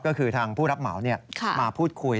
ก็คือทางผู้รับเหมามาพูดคุย